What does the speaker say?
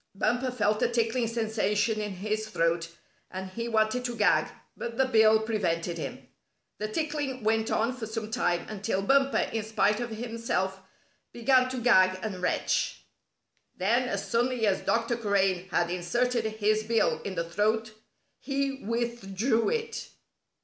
Bumper felt a tickling sensation in his throat, and he wanted to gag, but the bill prevented him. The tickling went on for some time until Bumper, in spite of himself, began to gag and retch. Then, as suddenly as Dr. Crane had inserted his bill in the throat, he withdrew it.